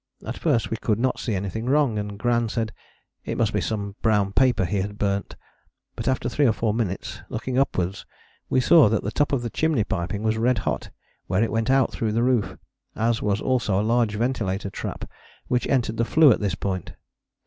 At first we could not see anything wrong, and Gran said it must be some brown paper he had burnt; but after three or four minutes, looking upwards, we saw that the top of the chimney piping was red hot where it went out through the roof, as was also a large ventilator trap which entered the flue at this point.